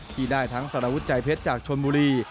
ที่ได้ทั้งสารวุฒิใจเพชรจากชนบุรี